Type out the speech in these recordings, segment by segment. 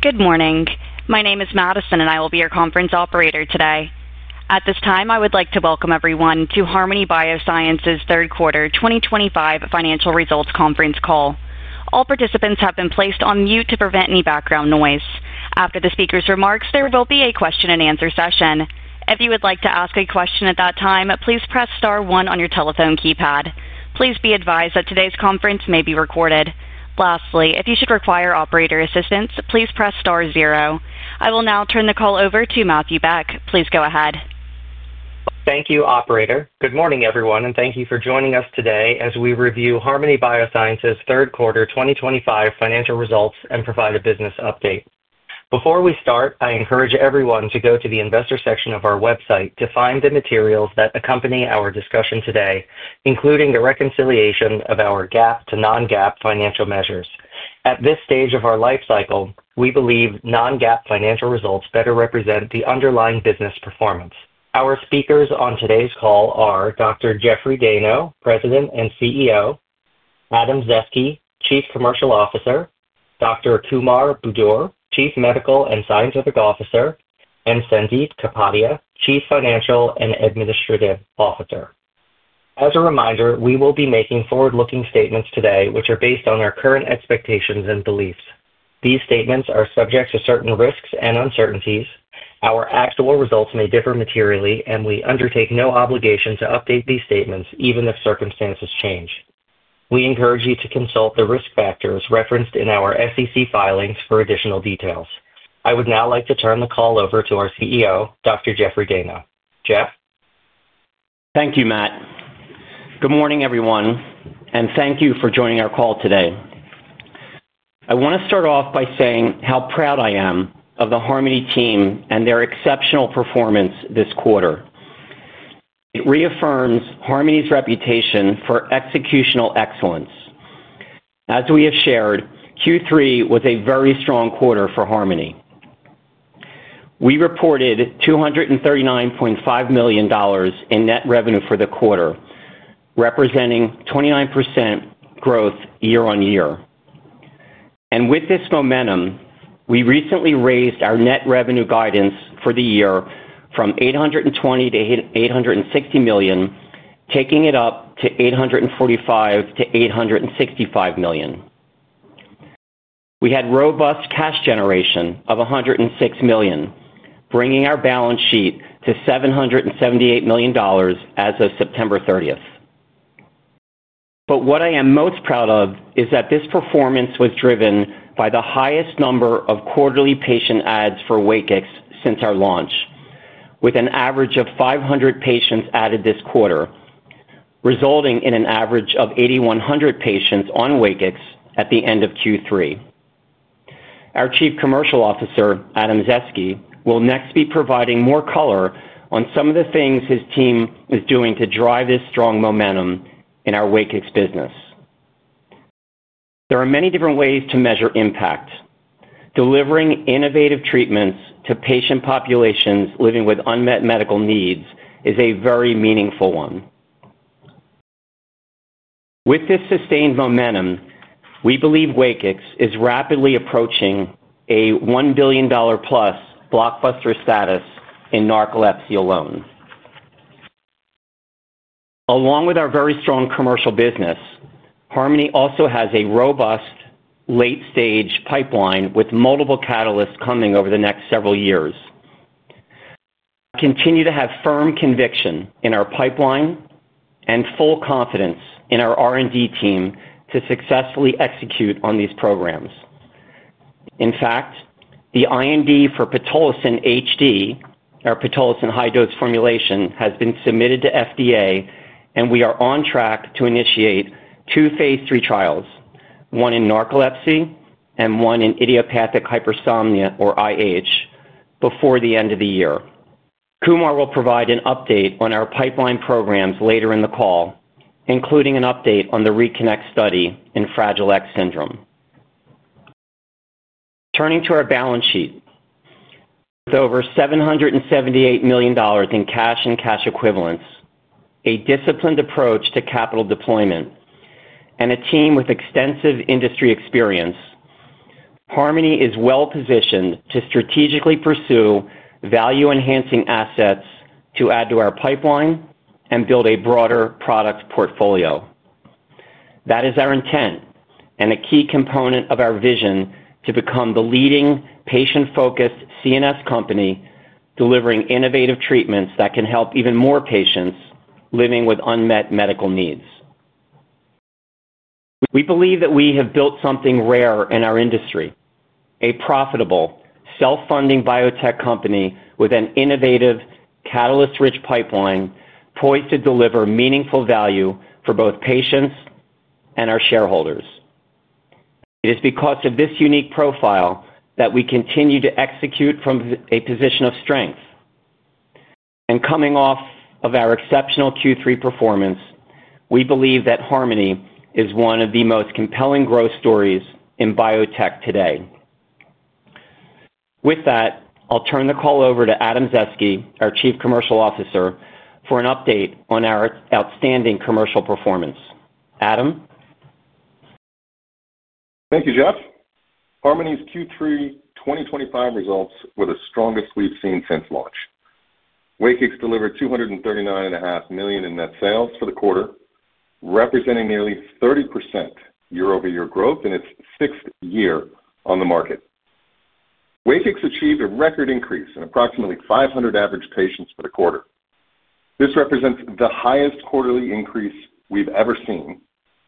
Good morning. My name is Madison, and I will be your conference operator today. At this time, I would like to welcome everyone to Harmony Biosciences' third quarter 2025 financial results conference call. All participants have been placed on mute to prevent any background noise. After the speakers' remarks, there will be a question-and-answer session. If you would like to ask a question at that time, please press star one on your telephone keypad. Please be advised that today's conference may be recorded. Lastly, if you should require operator assistance, please press star zero. I will now turn the call over to Matthew Beck. Please go ahead. Thank you, Operator. Good morning, everyone, and thank you for joining us today as we review Harmony Biosciences' third quarter 2025 financial results and provide a business update. Before we start, I encourage everyone to go to the investor section of our website to find the materials that accompany our discussion today, including the reconciliation of our GAAP to non-GAAP financial measures. At this stage of our life cycle, we believe non-GAAP financial results better represent the underlying business performance. Our speakers on today's call are Dr. Jeffrey Dayno, President and CEO, Adam Zaeske, Chief Commercial Officer, Dr. Kumar Budur, Chief Medical and Scientific Officer, and Sandip Kapadia, Chief Financial and Administrative Officer. As a reminder, we will be making forward-looking statements today, which are based on our current expectations and beliefs. These statements are subject to certain risks and uncertainties. Our actual results may differ materially, and we undertake no obligation to update these statements even if circumstances change. We encourage you to consult the risk factors referenced in our SEC filings for additional details. I would now like to turn the call over to our CEO, Dr. Jeffrey Dayno. Jeff. Thank you, Matt. Good morning, everyone, and thank you for joining our call today. I want to start off by saying how proud I am of the Harmony team and their exceptional performance this quarter. It reaffirms Harmony's reputation for executional excellence. As we have shared, Q3 was a very strong quarter for Harmony. We reported $239.5 million in net revenue for the quarter. Representing 29% growth year-on-year. And with this momentum, we recently raised our net revenue guidance for the year from $820 million-$860 million, taking it up to $845 million-$865 million. We had robust cash generation of $106 million, bringing our balance sheet to $778 million as of September 30th. But what I am most proud of is that this performance was driven by the highest number of quarterly patient adds for WAKIX since our launch, with an average of 500 patients added this quarter. Resulting in an average of 8,100 patients on WAKIX at the end of Q3. Our Chief Commercial Officer, Adam Zaeske will next be providing more color on some of the things his team is doing to drive this strong momentum in our WAKIX business. There are many different ways to measure impact. Delivering innovative treatments to patient populations living with unmet medical needs is a very meaningful one. With this sustained momentum, we believe WAKIX is rapidly approaching a $1 billion-plus blockbuster status in narcolepsy alone. Along with our very strong commercial business. Harmony also has a robust late-stage pipeline with multiple catalysts coming over the next several years. I continue to have firm conviction in our pipeline and full confidence in our R&D team to successfully execute on these programs. In fact, the IND for pitolisant HD, our pitolisant high-dose formulation, has been submitted to FDA, and we are on track to initiate two phase III trials: one in narcolepsy and one in idiopathic hypersomnia, or IH, before the end of the year. Kumar will provide an update on our pipeline programs later in the call. Including an update on the RECONNECT study in Fragile X syndrome. Turning to our balance sheet. With over $778 million in cash and cash equivalents, a disciplined approach to capital deployment, and a team with extensive industry experience. Harmony is well positioned to strategically pursue value-enhancing assets to add to our pipeline and build a broader product portfolio. That is our intent and a key component of our vision to become the leading patient-focused CNS company. Delivering innovative treatments that can help even more patients living with unmet medical needs. We believe that we have built something rare in our industry: a profitable, self-funding biotech company with an innovative, catalyst-rich pipeline poised to deliver meaningful value for both patients and our shareholders. It is because of this unique profile that we continue to execute from a position of strength. And coming off of our exceptional Q3 performance, we believe that Harmony is one of the most compelling growth stories in biotech today. With that, I'll turn the call over to Adam Zaeske, our Chief Commercial Officer, for an update on our outstanding commercial performance. Adam. Thank you, Jeff. Harmony's Q3 2025 results were the strongest we've seen since launch. WAKIX delivered $239.5 million in net sales for the quarter, representing nearly 30% year-over-year growth in its sixth year on the market. WAKIX achieved a record increase in approximately 500 average patients for the quarter. This represents the highest quarterly increase we've ever seen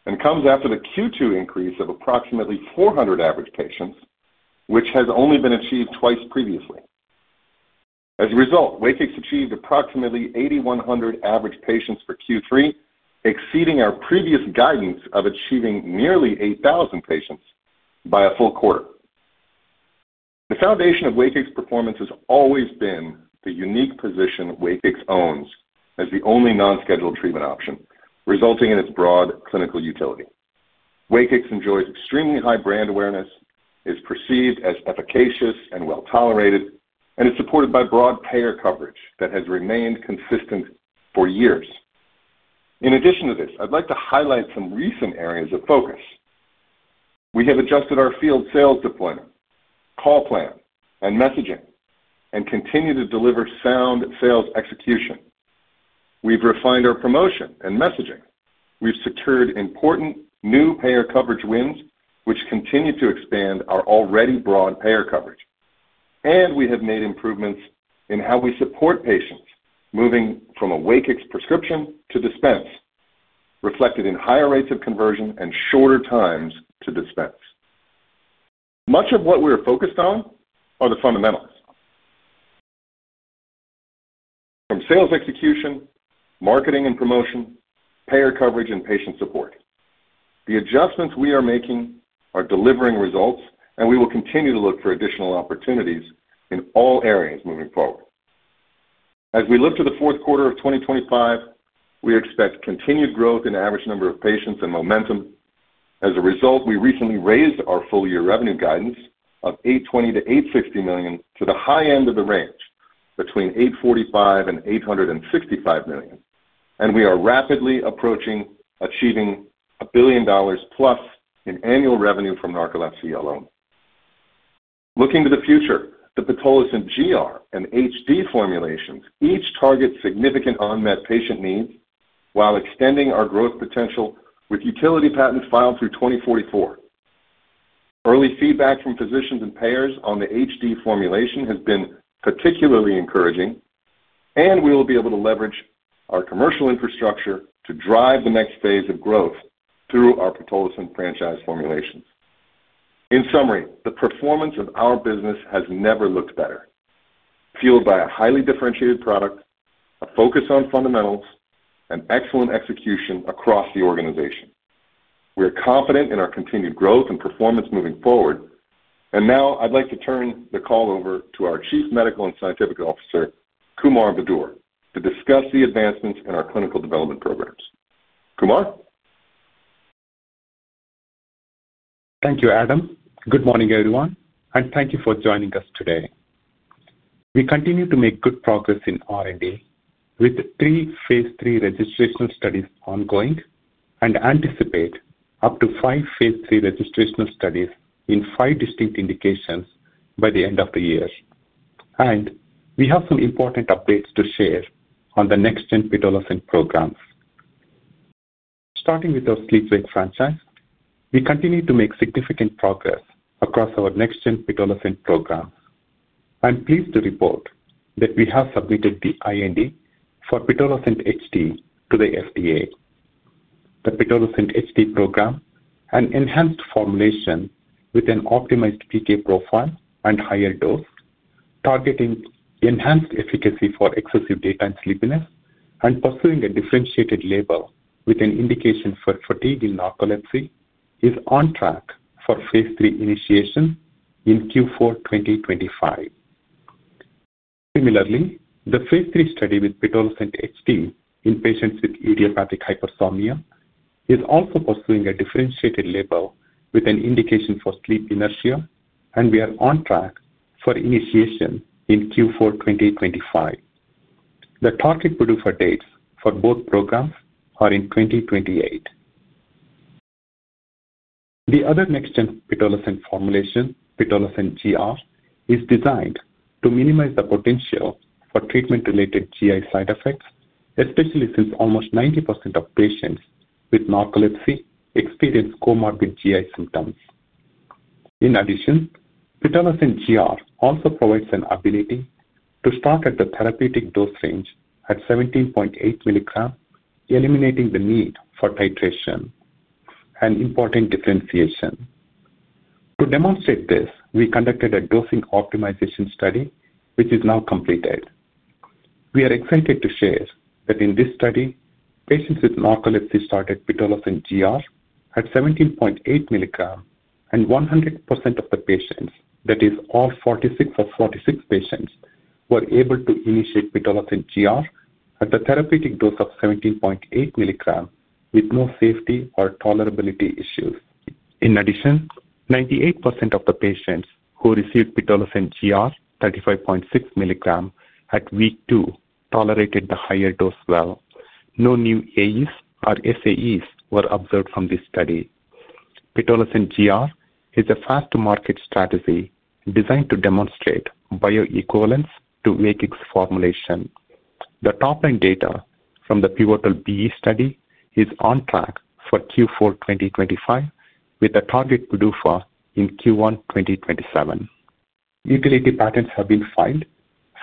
and comes after the Q2 increase of approximately 400 average patients, which has only been achieved twice previously. As a result, WAKIX achieved approximately 8,100 average patients for Q3, exceeding our previous guidance of achieving nearly 8,000 patients by a full quarter. The foundation of WAKIX performance has always been the unique position WAKIX owns as the only non-scheduled treatment option, resulting in its broad clinical utility. WAKIX enjoys extremely high brand awareness, is perceived as efficacious and well-tolerated, and is supported by broad payer coverage that has remained consistent for years. In addition to this, I'd like to highlight some recent areas of focus. We have adjusted our field sales deployment, call plan, and messaging, and continue to deliver sound sales execution. We've refined our promotion and messaging. We've secured important new payer coverage wins, which continue to expand our already broad payer coverage, and we have made improvements in how we support patients moving from a WAKIX prescription to dispense, reflected in higher rates of conversion and shorter times to dispense. Much of what we are focused on are the fundamentals. From sales execution, marketing and promotion, payer coverage, and patient support. The adjustments we are making are delivering results, and we will continue to look for additional opportunities in all areas moving forward. As we look to the fourth quarter of 2025, we expect continued growth in average number of patients and momentum. As a result, we recently raised our full-year revenue guidance of $820 million-$860 million to the high end of the range between $845 million and $865 million, and we are rapidly approaching achieving $1 billion-plus in annual revenue from narcolepsy alone. Looking to the future, the pitolisant GR and HD formulations each target significant unmet patient needs while extending our growth potential with utility patents filed through 2044. Early feedback from physicians and payers on the HD formulation has been particularly encouraging, and we will be able to leverage our commercial infrastructure to drive the next phase of growth through our pitolisant franchise formulations. In summary, the performance of our business has never looked better, fueled by a highly differentiated product, a focus on fundamentals, and excellent execution across the organization. We are confident in our continued growth and performance moving forward, and now I'd like to turn the call over to our Chief Medical and Scientific Officer, Kumar Budur, to discuss the advancements in our clinical development programs. Kumar? Thank you, Adam. Good morning, everyone, and thank you for joining us today. We continue to make good progress in R&D with three phase III registration studies ongoing and anticipate up to five phase III registration studies in five distinct indications by the end of the year, and we have some important updates to share on the next-gen pitolisant programs. Starting with our sleep-wake franchise, we continue to make significant progress across our next-gen pitolisant programs. I'm pleased to report that we have submitted the IND for pitolisant HD to the FDA. The pitolisant HD program, an enhanced formulation with an optimized PK profile and higher dose, targeting enhanced efficacy for excessive daytime sleepiness and pursuing a differentiated label with an indication for fatigue in narcolepsy, is on track for phase III initiation in Q4 2025. Similarly, the phase III study with pitolisant HD in patients with idiopathic hypersomnia is also pursuing a differentiated label with an indication for sleep inertia, and we are on track for initiation in Q4 2025. The target PDUFA dates for both programs are in 2028. The other next-gen pitolisant formulation, pitolisant GR, is designed to minimize the potential for treatment-related GI side effects, especially since almost 90% of patients with narcolepsy experience comorbid GI symptoms. In addition, pitolisant GR also provides an ability to start at the therapeutic dose range at 17.8 mg, eliminating the need for titration. An important differentiation. To demonstrate this, we conducted a dosing optimization study, which is now completed. We are excited to share that in this study, patients with narcolepsy started pitolisant GR at 17.8 mg, and 100% of the patients, that is all 46 of 46 patients, were able to initiate pitolisant GR at the therapeutic dose of 17.8 mg with no safety or tolerability issues. In addition, 98% of the patients who received pitolisant GR 35.6 mg at week two tolerated the higher dose well. No new AEs or SAEs were observed from this study. pitolisant GR is a fast-to-market strategy designed to demonstrate bioequivalence to WAKIX formulation. The top-line data from the Pivotal BE study is on track for Q4 2025 with a target PDUFA in Q1 2027. Utility patents have been filed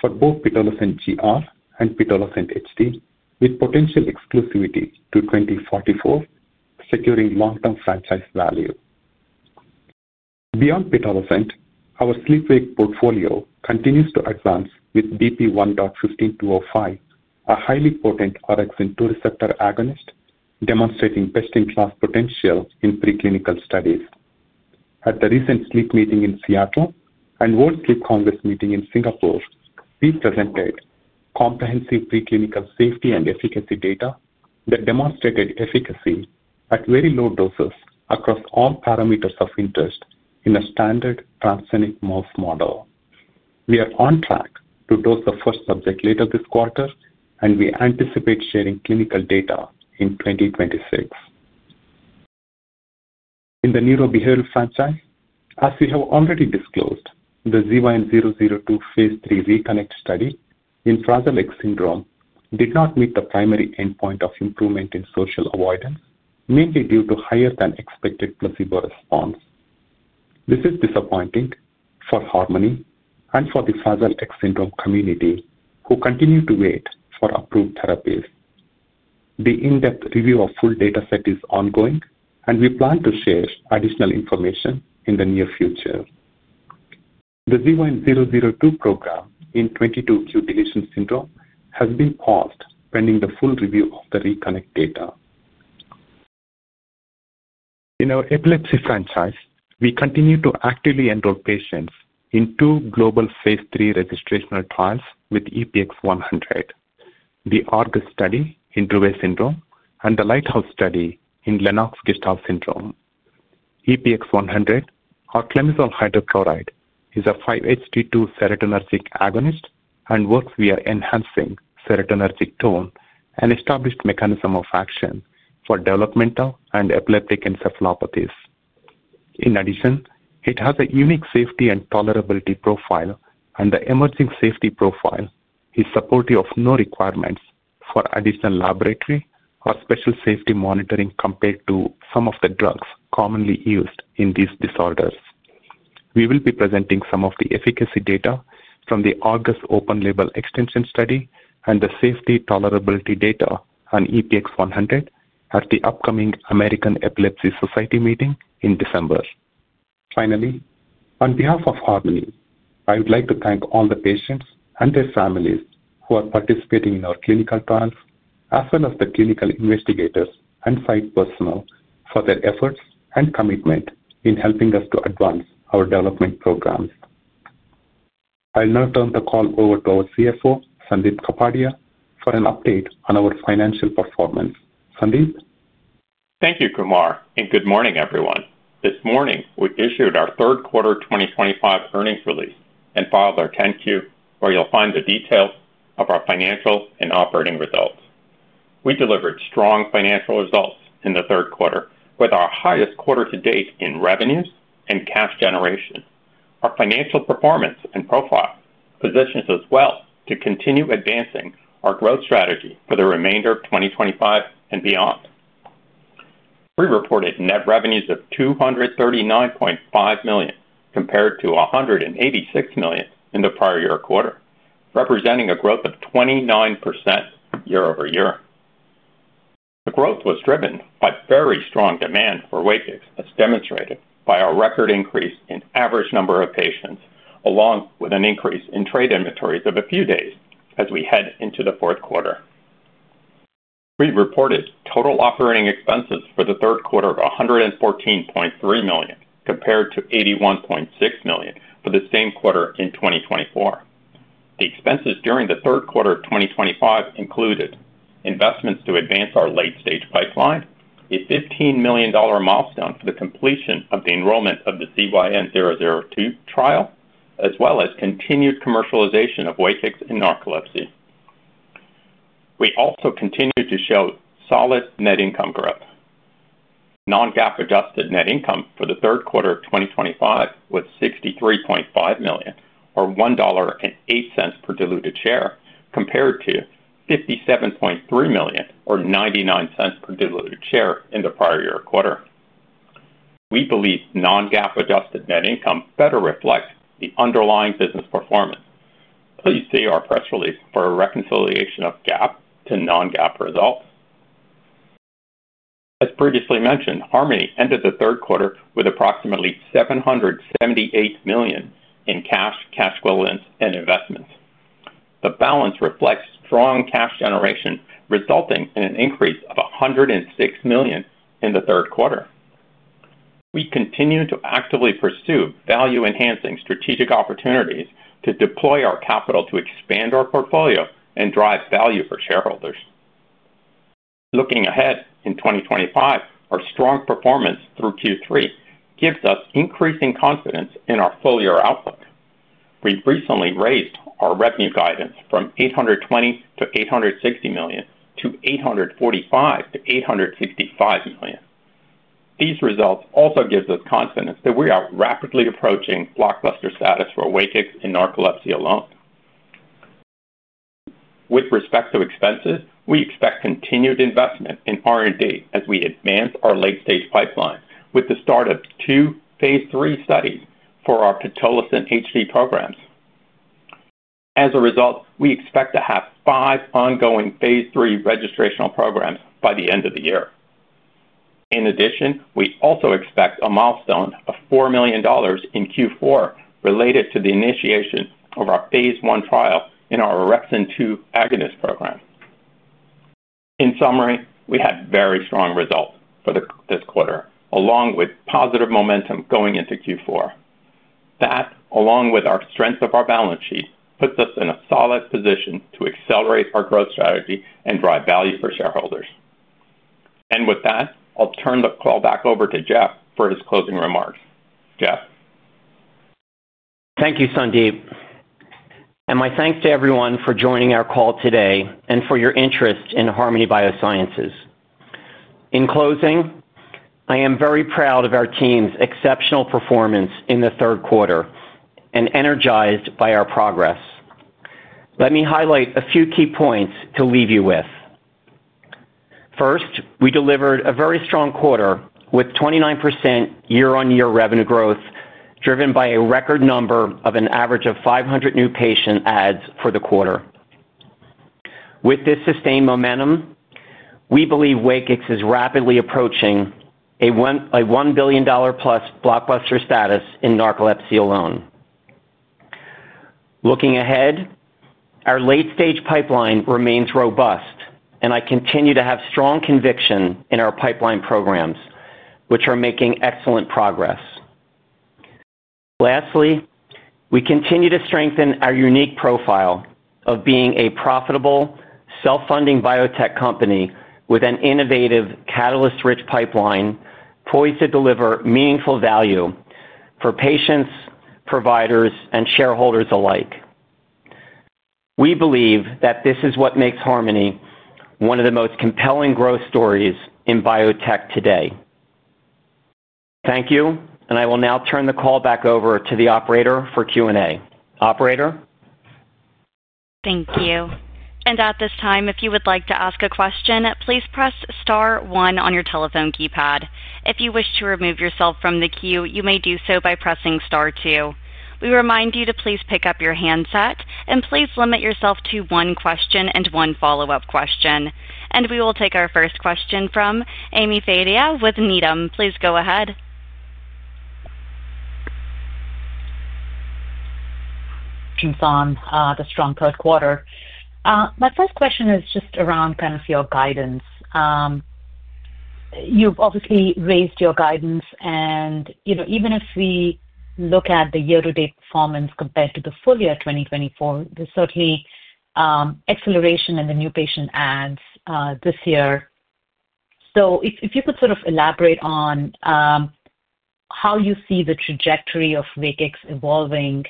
for both pitolisant GR and pitolisant HD with potential exclusivity to 2044, securing long-term franchise value. Beyond pitolisant, our sleep-wake portfolio continues to advance with BP1.15205, a highly potent Orexin 2 receptor agonist demonstrating best-in-class potential in preclinical studies. At the recent Sleep Meeting in Seattle and World Sleep Congress meeting in Singapore, we presented comprehensive preclinical safety and efficacy data that demonstrated efficacy at very low doses across all parameters of interest in a standard transgenic mouse model. We are on track to dose the first subject later this quarter, and we anticipate sharing clinical data in 2026. In the neurobehavioral franchise, as we have already disclosed, the ZYN002 phase III RECONNECT study in Fragile X syndrome did not meet the primary endpoint of improvement in social avoidance, mainly due to higher-than-expected placebo response. This is disappointing for Harmony and for the Fragile X syndrome community, who continue to wait for approved therapies. The in-depth review of the full data set is ongoing, and we plan to share additional information in the near future. The ZYN002 program in 22q11.2 deletion syndrome has been paused pending the full review of the RECONNECT data. In our epilepsy franchise, we continue to actively enroll patients in two global phase III registration trials with EPX-100: the ARGUS study in Dravet syndrome and the LIGHTHOUSE Study in Lennox-Gastaut syndrome. EPX-100, or cenobamate hydrochloride, is a 5-HT2 serotonergic agonist and works via enhancing serotonergic tone and established mechanism of action for developmental and epileptic encephalopathies. In addition, it has a unique safety and tolerability profile, and the emerging safety profile is supportive of no requirements for additional laboratory or special safety monitoring compared to some of the drugs commonly used in these disorders. We will be presenting some of the efficacy data from the ARGUS open-label extension study and the safety tolerability data on EPX-100 at the upcoming American Epilepsy Society meeting in December. Finally, on behalf of Harmony, I would like to thank all the patients and their families who are participating in our clinical trials, as well as the clinical investigators and site personnel, for their efforts and commitment in helping us to advance our development programs. I'll now turn the call over to our CFO, Sandip Kapadia, for an update on our financial performance. Sandip? Thank you, Kumar, and good morning, everyone. This morning, we issued our third quarter 2025 earnings release and filed our 10-Q, where you'll find the details of our financial and operating results. We delivered strong financial results in the third quarter, with our highest quarter to date in revenues and cash generation. Our financial performance and profile positions us well to continue advancing our growth strategy for the remainder of 2025 and beyond. We reported net revenues of $239.5 million compared to $186 million in the prior year quarter, representing a growth of 29% year-over-year. The growth was driven by very strong demand for WAKIX, as demonstrated by our record increase in average number of patients, along with an increase in trade inventories of a few days as we head into the fourth quarter. We reported total operating expenses for the third quarter of $114.3 million compared to $81.6 million for the same quarter in 2024. The expenses during the third quarter of 2025 included investments to advance our late-stage pipeline, a $15 million milestone for the completion of the enrollment of the ZYN002 trial, as well as continued commercialization of WAKIX in narcolepsy. We also continue to show solid net income growth. Non-GAAP adjusted net income for the third quarter of 2025 was $63.5 million, or $1.08 per diluted share, compared to $57.3 million, or $0.99 per diluted share, in the prior year quarter. We believe non-GAAP adjusted net income better reflects the underlying business performance. Please see our press release for a reconciliation of GAAP to non-GAAP results. As previously mentioned, Harmony ended the third quarter with approximately $778 million in cash, cash equivalents, and investments. The balance reflects strong cash generation, resulting in an increase of $106 million in the third quarter. We continue to actively pursue value-enhancing strategic opportunities to deploy our capital to expand our portfolio and drive value for shareholders. Looking ahead in 2025, our strong performance through Q3 gives us increasing confidence in our full-year outlook. We recently raised our revenue guidance from $820 million-$860 million to $845 million-$865 million. These results also give us confidence that we are rapidly approaching blockbuster status for WAKIX in narcolepsy alone. With respect to expenses, we expect continued investment in R&D as we advance our late-stage pipeline with the start of two phase III studies for our pitolisant HD programs. As a result, we expect to have five ongoing phase III registration programs by the end of the year. In addition, we also expect a milestone of $4 million in Q4 related to the initiation of our phase I trial in our Orexin 2 agonist program. In summary, we had very strong results for this quarter, along with positive momentum going into Q4. That, along with the strength of our balance sheet, puts us in a solid position to accelerate our growth strategy and drive value for shareholders. And with that, I'll turn the call back over to Jeff for his closing remarks. Jeff? Thank you, Sandip. And my thanks to everyone for joining our call today and for your interest in Harmony Biosciences. In closing, I am very proud of our team's exceptional performance in the third quarter and energized by our progress. Let me highlight a few key points to leave you with. First, we delivered a very strong quarter with 29% year-on-year revenue growth driven by a record number of an average of 500 new patient adds for the quarter. With this sustained momentum, we believe WAKIX is rapidly approaching a $1 billion-plus blockbuster status in narcolepsy alone. Looking ahead, our late-stage pipeline remains robust, and I continue to have strong conviction in our pipeline programs, which are making excellent progress. Lastly, we continue to strengthen our unique profile of being a profitable self-funding biotech company with an innovative catalyst-rich pipeline poised to deliver meaningful value for patients, providers, and shareholders alike. We believe that this is what makes Harmony one of the most compelling growth stories in biotech today. Thank you, and I will now turn the call back over to the operator for Q&A. Operator. Thank you. And at this time, if you would like to ask a question, please press star one on your telephone keypad. If you wish to remove yourself from the queue, you may do so by pressing star two. We remind you to please pick up your handset, and please limit yourself to one question and one follow-up question. And we will take our first question from Ami Fadia with Needham. Please go ahead. Thanks on the strong third quarter. My first question is just around kind of your guidance. You've obviously raised your guidance, and even if we look at the year-to-date performance compared to the full year 2024, there's certainly acceleration in the new patient adds this year. So if you could sort of elaborate on how you see the trajectory of WAKIX evolving.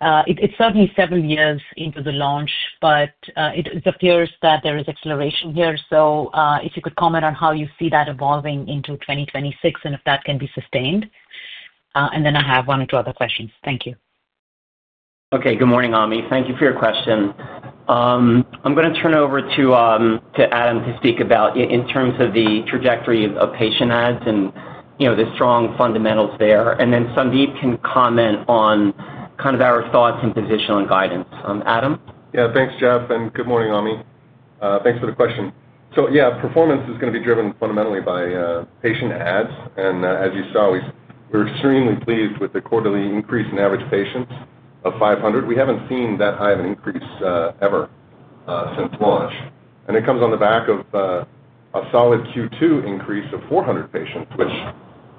It's certainly several years into the launch, but it appears that there is acceleration here. So if you could comment on how you see that evolving into 2026 and if that can be sustained. And then I have one or two other questions. Thank you. Okay. Good morning, Ami. Thank you for your question. I'm going to turn over to Adam to speak about in terms of the trajectory of patient adds and the strong fundamentals there, and then Sandip can comment on kind of our thoughts and positional guidance. Adam? Yeah. Thanks, Jeff, and good morning, Ami. Thanks for the question. So yeah, performance is going to be driven fundamentally by patient adds. And as you saw, we were extremely pleased with the quarterly increase in average patients of 500. We haven't seen that high of an increase ever. Since launch. And it comes on the back of a solid Q2 increase of 400 patients, which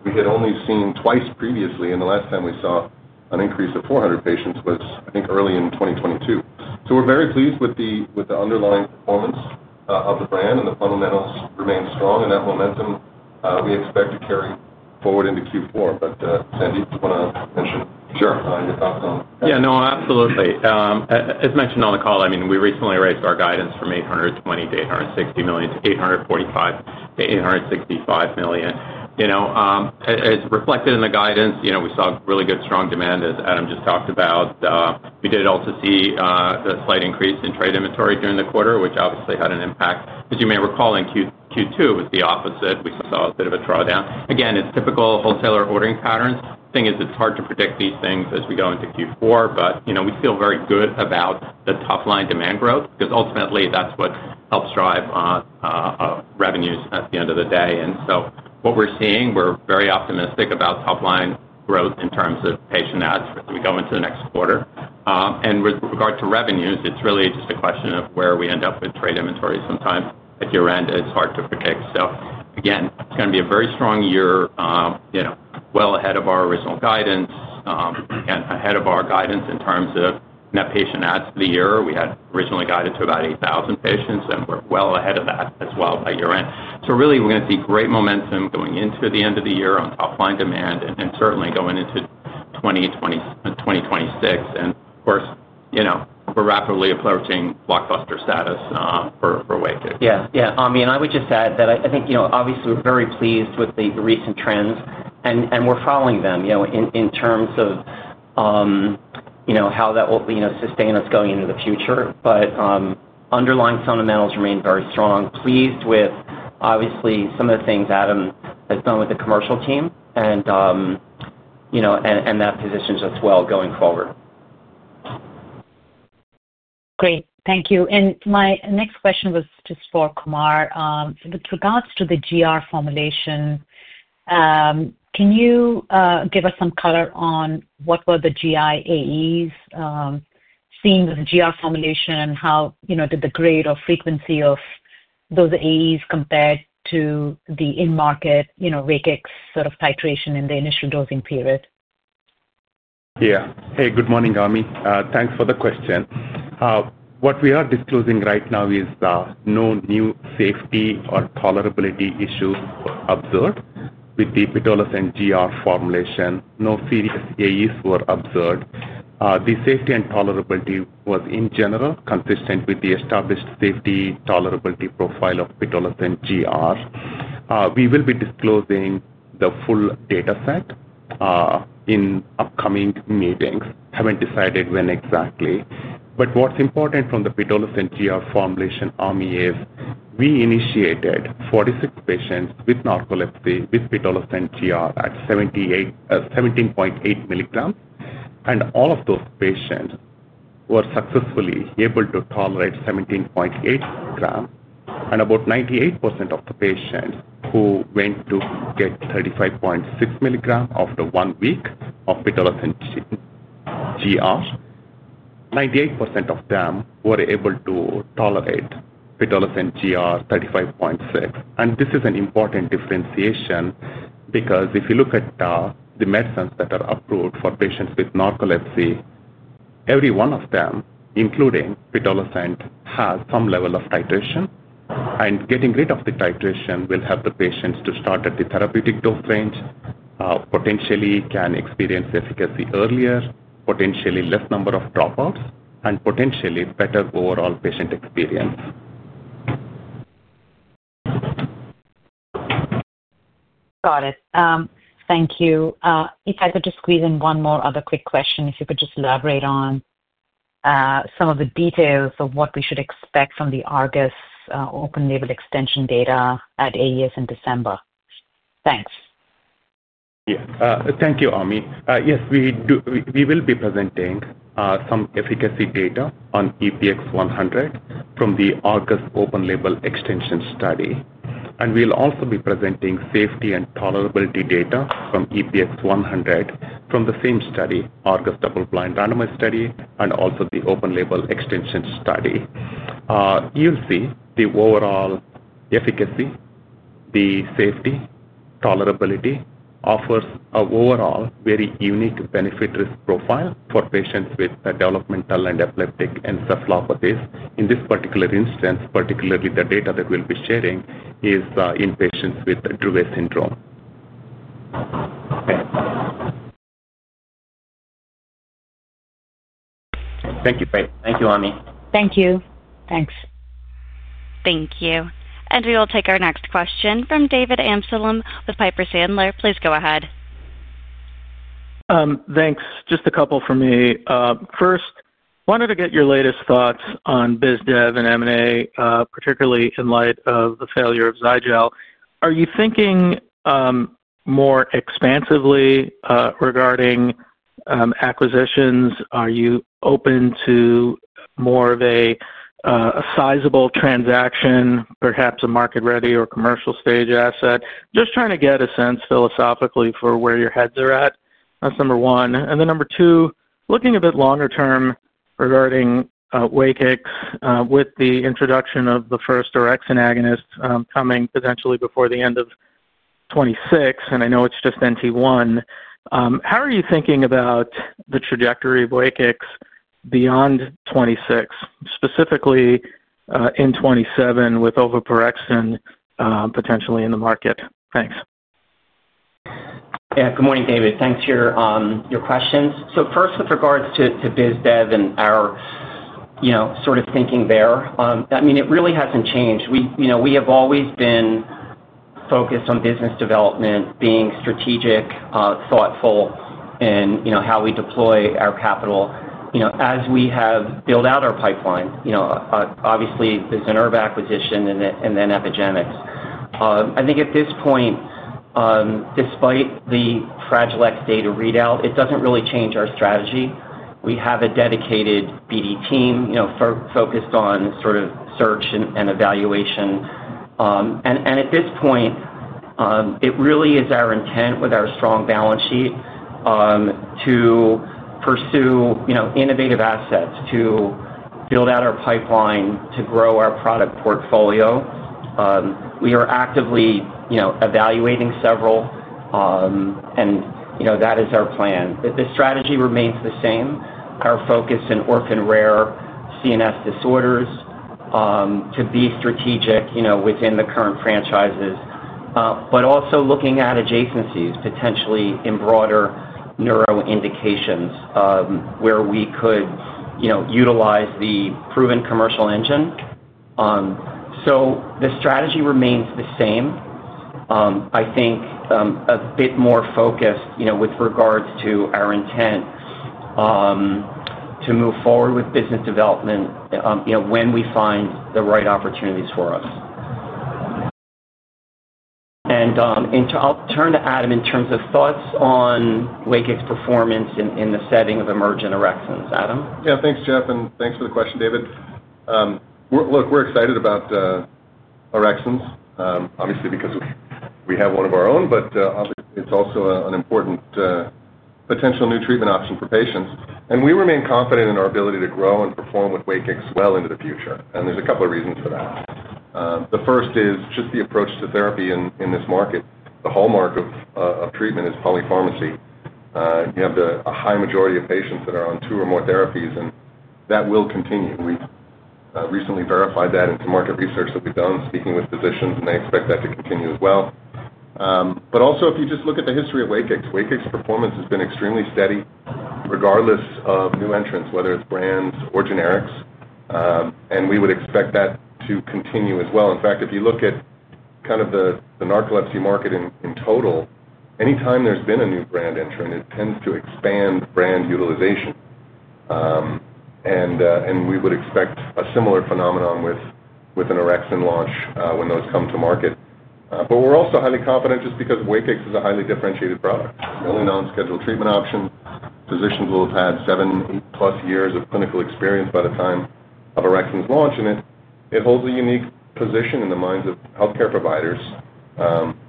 we had only seen twice previously. And the last time we saw an increase of 400 patients was, I think, early in 2022. So we're very pleased with the underlying performance of the brand, and the fundamentals remain strong. And that momentum we expect to carry forward into Q4. But Sandip, do you want to mention? Sure. Your thoughts on that? Yeah. No, absolutely. As mentioned on the call, I mean, we recently raised our guidance from $820 million-$860 million to $845 million-$865 million. As reflected in the guidance, we saw really good strong demand, as Adam just talked about. We did also see the slight increase in trade inventory during the quarter, which obviously had an impact. As you may recall, in Q2, it was the opposite. We saw a bit of a drawdown. Again, it's typical wholesaler ordering patterns. The thing is, it's hard to predict these things as we go into Q4, but we feel very good about the top-line demand growth because ultimately, that's what helps drive revenues at the end of the day. And so what we're seeing, we're very optimistic about top-line growth in terms of patient adds as we go into the next quarter. And with regard to revenues, it's really just a question of where we end up with trade inventory sometimes. At year-end, it's hard to predict. So again, it's going to be a very strong year, well ahead of our original guidance. And ahead of our guidance in terms of net patient adds for the year. We had originally guided to about 8,000 patients, and we're well ahead of that as well by year-end. So really, we're going to see great momentum going into the end of the year on top-line demand and certainly going into 2026. And of course, we're rapidly approaching blockbuster status for WAKIX. Yeah. Yeah. I mean, I would just add that I think obviously, we're very pleased with the recent trends, and we're following them in terms of how that will sustain us going into the future. But underlying fundamentals remain very strong. Pleased with, obviously, some of the things Adam has done with the commercial team and that positions us well going forward. Great. Thank you. And my next question was just for Kumar. With regards to the GR formulation, can you give us some color on what were the GI AEs seen with the GR formulation and how did the grade or frequency of those AEs compared to the in-market WAKIX sort of titration in the initial dosing period? Yeah. Hey, good morning, Ami. Thanks for the question. What we are disclosing right now is no new safety or tolerability issues observed with the pitolisant GR formulation. No serious AEs were observed. The safety and tolerability was, in general, consistent with the established safety tolerability profile of pitolisant GR. We will be disclosing the full dataset in upcoming meetings. Haven't decided when exactly. But what's important from the pitolisant GR formulation, Ami, is we initiated 46 patients with narcolepsy with pitolisant GR at 17.8 mg, and all of those patients were successfully able to tolerate 17.8 mg. And about 98% of the patients who went to get 35.6 mg after one week of pitolisant GR. 98% of them were able to tolerate pitolisant GR 35.6 mg. And this is an important differentiation because if you look at the medicines that are approved for patients with narcolepsy, every one of them, including pitolisant, has some level of titration. And getting rid of the titration will help the patients to start at the therapeutic dose range, potentially can experience efficacy earlier, potentially less number of dropouts, and potentially better overall patient experience. Got it. Thank you. If I could just squeeze in one more other quick question, if you could just elaborate on some of the details of what we should expect from the ARGUS open-label extension data at AES in December. Thanks. Yeah. Thank you, Ami. Yes, we will be presenting some efficacy data on EPX-100 from the ARGUS open-label extension study. And we'll also be presenting safety and tolerability data from EPX-100 from the same study, ARGUS double-blind randomized study, and also the open-label extension study. You'll see the overall efficacy, the safety, tolerability, offers an overall very unique benefit-risk profile for patients with developmental and epileptic encephalopathies. In this particular instance, particularly the data that we'll be sharing is in patients with Dravet syndrome. Thank you. Thank you, Ami. Thank you. Thanks. Thank you. And we will take our next question from David Amsellem with Piper Sandler. Please go ahead. Thanks. Just a couple for me. First, wanted to get your latest thoughts on BizDev and M&A, particularly in light of the failure of Zygel. Are you thinking more expansively regarding acquisitions? Are you open to more of a sizable transaction, perhaps a market-ready or commercial-stage asset? Just trying to get a sense philosophically for where your heads are at. That's number one. And then number two, looking a bit longer term regarding WAKIX with the introduction of the first Orexin antagonist coming potentially before the end of 2026, and I know it's just NT1. How are you thinking about the trajectory of WAKIX beyond 2026, specifically in 2027 with ovopiroxine potentially in the market? Thanks. Yeah. Good morning, David. Thanks for your questions. So first, with regards to BizDev and our sort of thinking there, I mean, it really hasn't changed. We have always been focused on business development, being strategic, thoughtful in how we deploy our capital. As we have built out our pipeline, obviously, there's a Zynerba acquisition and then epidemics. I think at this point, despite the Fragile X data readout, it doesn't really change our strategy. We have a dedicated BD team focused on sort of search and evaluation. And at this point, it really is our intent with our strong balance sheet to pursue innovative assets, to build out our pipeline, to grow our product portfolio. We are actively evaluating several, and that is our plan. The strategy remains the same. Our focus in orphan rare CNS disorders, to be strategic within the current franchises, but also looking at adjacencies, potentially in broader neuro indications where we could utilize the proven commercial engine. So the strategy remains the same. I think a bit more focused with regards to our intent to move forward with business development when we find the right opportunities for us. And I'll turn to Adam in terms of thoughts on WAKIX performance in the setting of emerging entrants. Adam? Yeah. Thanks, Jeff. And thanks for the question, David. Look, we're excited about Orexins, obviously, because we have one of our own, but obviously, it's also an important potential new treatment option for patients. And we remain confident in our ability to grow and perform with WAKIX well into the future. And there's a couple of reasons for that. The first is just the approach to therapy in this market. The hallmark of treatment is polypharmacy. You have a high majority of patients that are on two or more therapies, and that will continue. We've recently verified that into market research that we've done, speaking with physicians, and they expect that to continue as well. But also, if you just look at the history of WAKIX, WAKIX performance has been extremely steady regardless of new entrants, whether it's brands or generics. And we would expect that to continue as well. In fact, if you look at kind of the narcolepsy market in total, anytime there's been a new brand entrant, it tends to expand brand utilization. And we would expect a similar phenomenon with an Orexin launch when those come to market. But we're also highly confident just because WAKIX is a highly differentiated product. It's the only non-scheduled treatment option. Physicians will have had seven, eight-plus years of clinical experience by the time of Orexins launch in it. It holds a unique position in the minds of healthcare providers.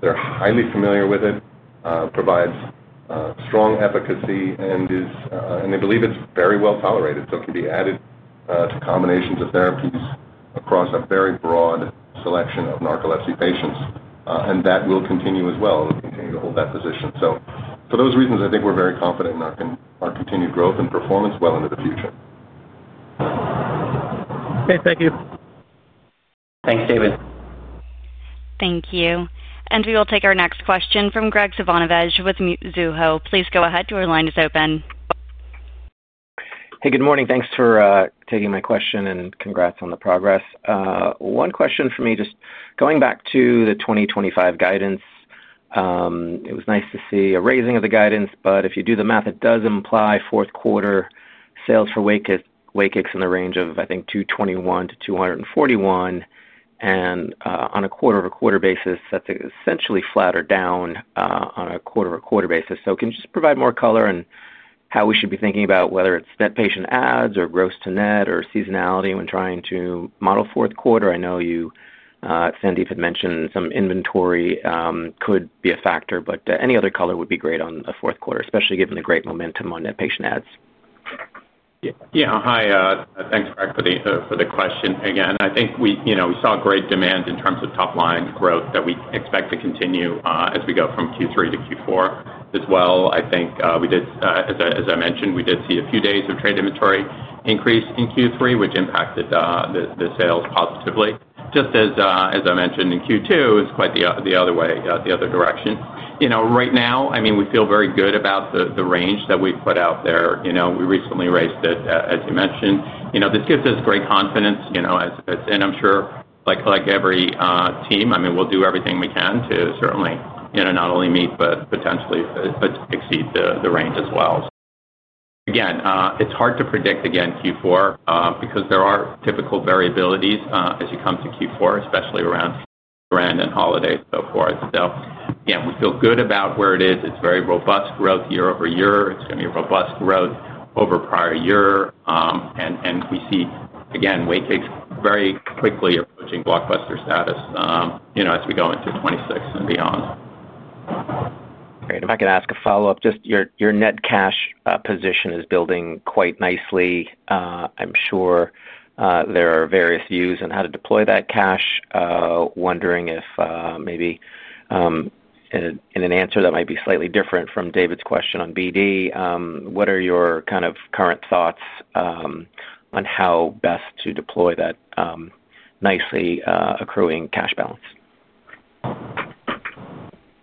They're highly familiar with it. It provides strong efficacy, and they believe it's very well tolerated. So it can be added to combinations of therapies across a very broad selection of narcolepsy patients. And that will continue as well. It'll continue to hold that position. So for those reasons, I think we're very confident in our continued growth and performance well into the future. Okay. Thank you. Thanks, David. Thank you. And we will take our next question from Greg Silvanouve with Mizuho. Please go ahead. Your line is open. Hey, good morning. Thanks for taking my question and congrats on the progress. One question for me, just going back to the 2025 guidance. It was nice to see a raising of the guidance, but if you do the math, it does imply fourth-quarter sales for WAKIX in the range of, I think, $221 million-$241 million. And on a quarter-over-quarter basis, that's essentially flatter down on a quarter-over-quarter basis. So can you just provide more color on how we should be thinking about whether it's net patient adds or gross to net or seasonality when trying to model fourth quarter? I know you. Sandy had mentioned some inventory could be a factor, but any other color would be great on the fourth quarter, especially given the great momentum on net patient adds. Yeah. Hi. Thanks for the question. Again, I think we saw great demand in terms of top-line growth that we expect to continue as we go from Q3 to Q4 as well. I think. As I mentioned, we did see a few days of trade inventory increase in Q3, which impacted the sales positively. Just as I mentioned in Q2, it's quite the other way, the other direction. Right now, I mean, we feel very good about the range that we've put out there. We recently raised it, as you mentioned. This gives us great confidence. And I'm sure, like every team, I mean, we'll do everything we can to certainly not only meet but potentially exceed the range as well. Again, it's hard to predict again Q4 because there are typical variabilities as you come to Q4, especially around the holidays and so forth. So again, we feel good about where it is. It's very robust growth year over year. It's going to be robust growth over prior year. And we see, again, WAKIX very quickly approaching blockbuster status as we go into 2026 and beyond. Great. If I can ask a follow-up, just your net cash position is building quite nicely. I'm sure. There are various views on how to deploy that cash. Wondering if maybe, in an answer that might be slightly different from David's question on BD, what are your kind of current thoughts on how best to deploy that nicely accruing cash balance?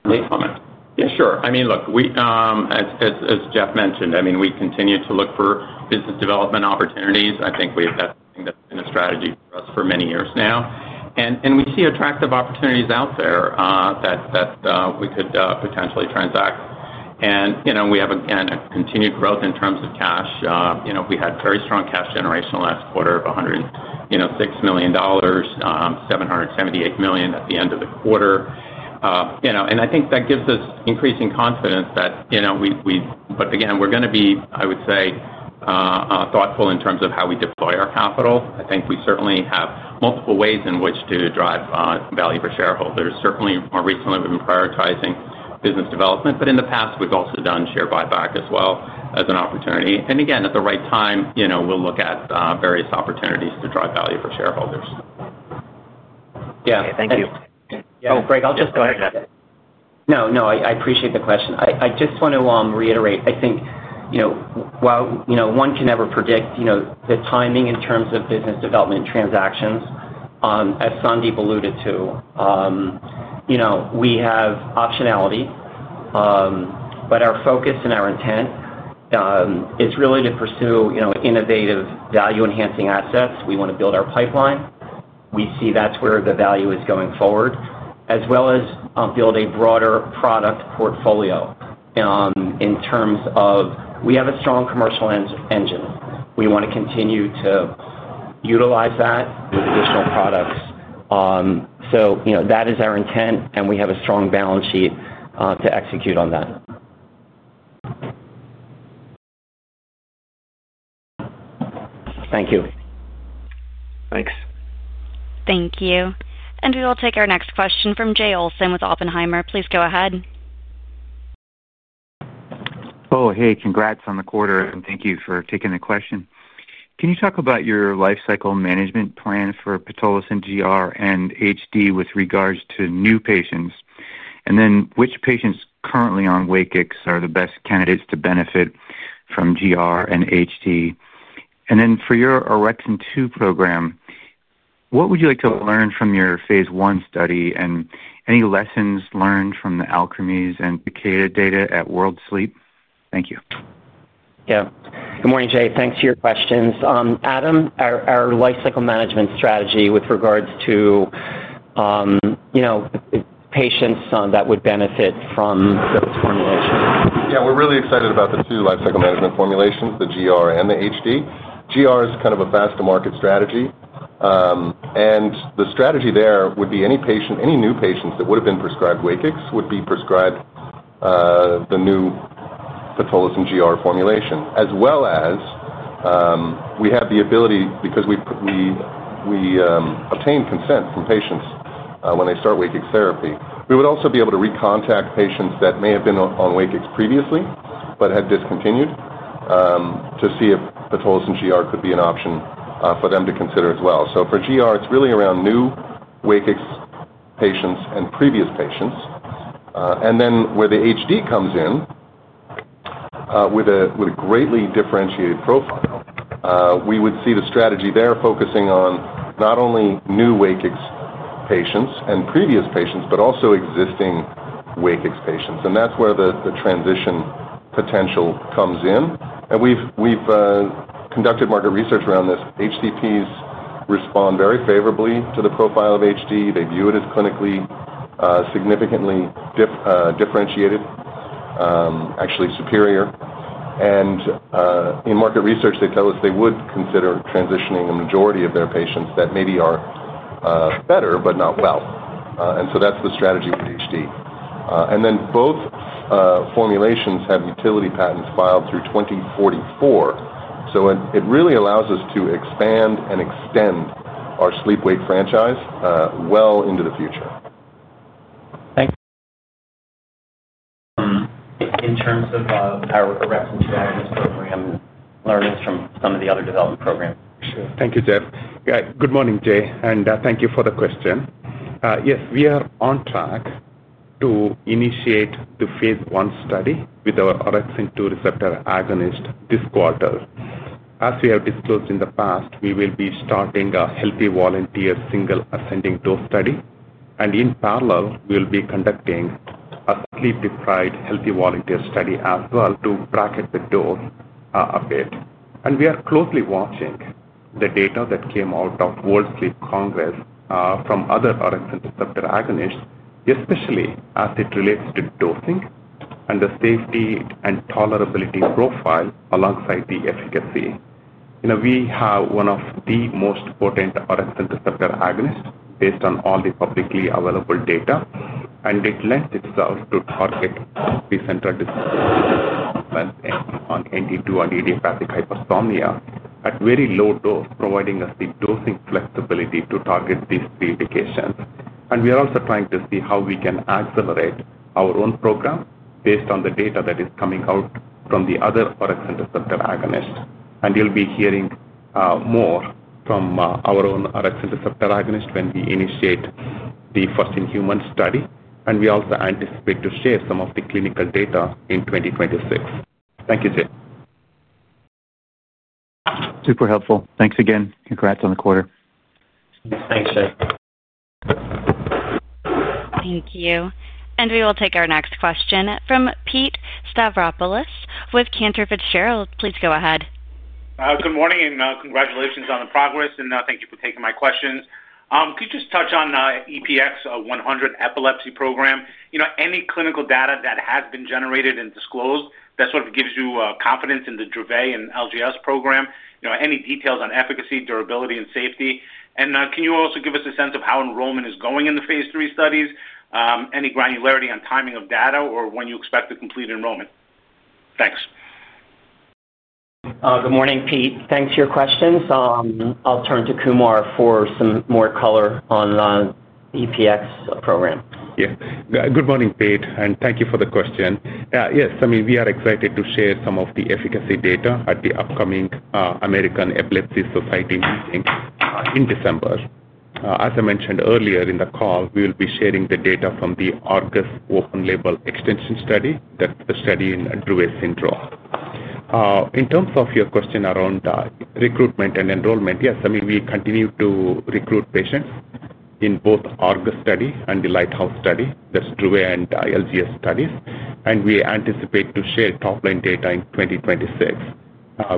Great comment. Yeah, sure. I mean, look. As Jeff mentioned, I mean, we continue to look for business development opportunities. I think we have had something that's been a strategy for us for many years now. And we see attractive opportunities out there that we could potentially transact. And we have, again, continued growth in terms of cash. We had very strong cash generation last quarter of $106 million. $778 million at the end of the quarter. And I think that gives us increasing confidence that. But again, we're going to be, I would say, thoughtful in terms of how we deploy our capital. I think we certainly have multiple ways in which to drive value for shareholders. Certainly, more recently, we've been prioritizing business development. But in the past, we've also done share buyback as well as an opportunity. And again, at the right time, we'll look at various opportunities to drive value for shareholders. Yeah. Thank you. Oh, Greg, I'll just go ahead. No, no. I appreciate the question. I just want to reiterate. I think while one can never predict the timing in terms of business development transactions, as Sandip alluded to, we have optionality. But our focus and our intent is really to pursue innovative value-enhancing assets. We want to build our pipeline. We see that's where the value is going forward, as well as build a broader product portfolio. In terms of we have a strong commercial engine. We want to continue to utilize that with additional products. So that is our intent, and we have a strong balance sheet to execute on that. Thank you. Thanks. Thank you. And we will take our next question from Jay Olson with Oppenheimer. Please go ahead. Oh, hey, congrats on the quarter, and thank you for taking the question. Can you talk about your life cycle management plan for pitolisant GR and HD with regards to new patients? And then which patients currently on WAKIX are the best candidates to benefit from GR and HD? And then for your Orexin 2 program. What would you like to learn from your phase I study and any lessons learned from the Alkermes and indicated data at World Sleep? Thank you. Yeah. Good morning, Jay. Thanks for your questions. Adam, our life cycle management strategy with regards to patients that would benefit from those formulations. Yeah. We're really excited about the two life cycle management formulations, the GR and the HD. GR is kind of a fast-to-market strategy. And the strategy there would be any new patients that would have been prescribed WAKIX would be prescribed the new pitolisant GR formulation, as well as. We have the ability because we obtain consent from patients when they start WAKIX therapy. We would also be able to recontact patients that may have been on WAKIX previously but had discontinued to see if pitolisant GR could be an option for them to consider as well. So for GR, it's really around new WAKIX patients and previous patients. And then where the HD comes in with a greatly differentiated profile, we would see the strategy there focusing on not only new WAKIX patients and previous patients, but also existing WAKIX patients. And that's where the transition potential comes in. And we've conducted market research around this. HCPs respond very favorably to the profile of HD. They view it as clinically significantly differentiated, actually superior. And in market research, they tell us they would consider transitioning a majority of their patients that maybe are better but not well. And so that's the strategy with HD. And then both formulations have utility patents filed through 2044. So it really allows us to expand and extend our sleep/wake franchise well into the future. Thanks. In terms of our Orexin 2 program. Learnings from some of the other development programs. Sure. Thank you, Jeff. Good morning, Jay. And thank you for the question. Yes, we are on track to initiate the phase I study with our Orexin 2 receptor agonist this quarter. As we have disclosed in the past, we will be starting a healthy volunteer single ascending dose study. And in parallel, we'll be conducting a sleep-deprived healthy volunteer study as well to bracket the dose a bit. And we are closely watching the data that came out of World Sleep Congress from other Orexin receptor agonists, especially as it relates to dosing and the safety and tolerability profile alongside the efficacy. We have one of the most potent Orexin receptor agonists based on all the publicly available data and it lends itself to target narcolepsy, NT1, NT2 and idiopathic hypersomnia at very low dose, providing us the dosing flexibility to target these three indications. And we are also trying to see how we can accelerate our own program based on the data that is coming out from the other Orexin receptor agonist. And you'll be hearing more from our own Orexin receptor agonist when we initiate the first-in-human study. And we also anticipate to share some of the clinical data in 2026. Thank you, Jay. Super helpful. Thanks again. Congrats on the quarter. Thanks, Jeff. Thank you. And we will take our next question from Pete Stavropoulos with Cantor Fitzgerald. Please go ahead. Good morning and congratulations on the progress. And thank you for taking my questions. Could you just touch on EPX-100 epilepsy program? Any clinical data that has been generated and disclosed that sort of gives you confidence in the Dravet and LGS program? Any details on efficacy, durability, and safety? And can you also give us a sense of how enrollment is going in the phase III studies? Any granularity on timing of data or when you expect to complete enrollment? Thanks. Good morning, Pete. Thanks for your questions. I'll turn to Kumar for some more color on the EPX program. Yeah. Good morning, Pete. And thank you for the question. Yes, I mean, we are excited to share some of the efficacy data at the upcoming American Epilepsy Society meeting in December. As I mentioned earlier in the call, we will be sharing the data from the ARGUS open-label extension study. That's the study in Dravet syndrome. In terms of your question around recruitment and enrollment, yes, I mean, we continue to recruit patients in both ARGUS study and the LIGHTHOUSE Study. That's Dravet and LGS studies. And we anticipate to share top-line data in 2026.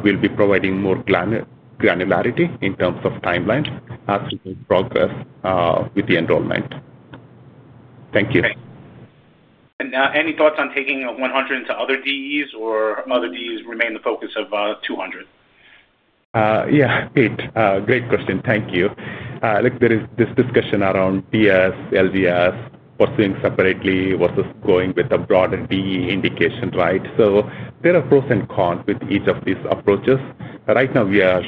We'll be providing more granularity in terms of timelines as we progress with the enrollment. Thank you. Any thoughts on taking 100 into other DEs or other DEs remain the focus of 200? Yeah, Pete, great question. Thank you. Look, there is this discussion around DS, LGS, pursuing separately versus going with a broader DE indication, right? So there are pros and cons with each of these approaches. Right now, we are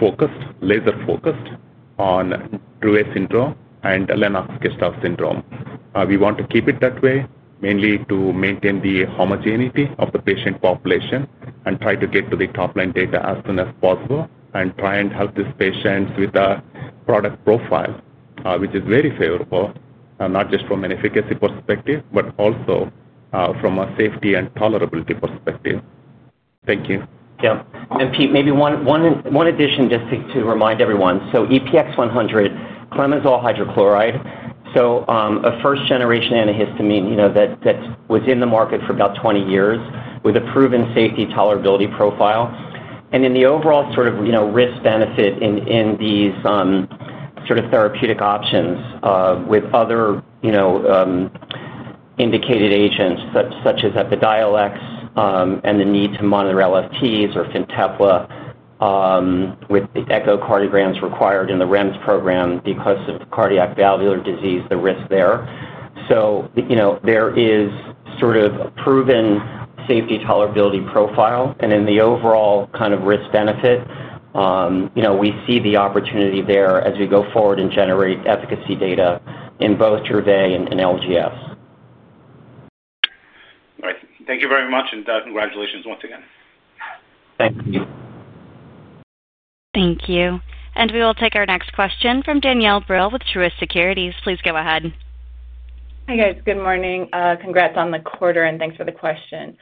focused, laser-focused on Dravet syndrome and Lennox-Gastaut syndrome. We want to keep it that way, mainly to maintain the homogeneity of the patient population and try to get to the top-line data as soon as possible and try and help these patients with a product profile, which is very favorable, not just from an efficacy perspective, but also from a safety and tolerability perspective. Thank you. Yeah. And Pete, maybe one addition just to remind everyone. So EPX-100, cenobamate hydrochloride, so a first-generation antihistamine that was in the market for about 20 years with a proven safety tolerability profile. And in the overall sort of risk-benefit in these sort of therapeutic options with other indicated agents such as Epidiolex and the need to monitor LFTs or Fintepla with the echocardiograms required in the REMS program because of cardiac valvular disease, the risk there. So there is sort of a proven safety tolerability profile. And in the overall kind of risk-benefit we see the opportunity there as we go forward and generate efficacy data in both Dravet and LGS. Thank you very much. And congratulations once again. Thank you. Thank you. And we will take our next question from Danielle Brill with Truist Securities. Please go ahead. Hi guys. Good morning. Congrats on the quarter, and thanks for the question.